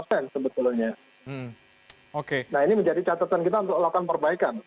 nah ini menjadi catatan kita untuk lakukan perbaikan